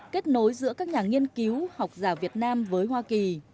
kết nối giữa các nhà nghiên cứu học giả việt nam với hoa kỳ